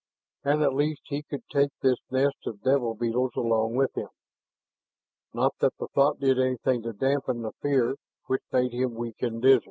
And at least he could take this nest of devil beetles along with him. Not that the thought did anything to dampen the fear which made him weak and dizzy.